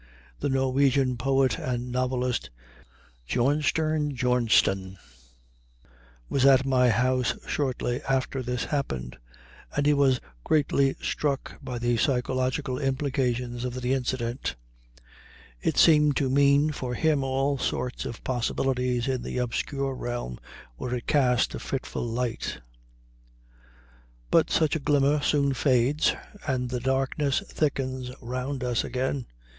The Norwegian poet and novelist Björnstjerne Björnson was at my house shortly after this happened, and he was greatly struck by the psychological implications of the incident; it seemed to mean for him all sorts of possibilities in the obscure realm where it cast a fitful light. But such a glimmer soon fades, and the darkness thickens round us again.